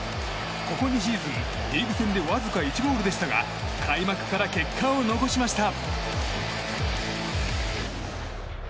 ここ２シーズン、リーグ戦でわずか１ゴールでしたが開幕から結果を残しました。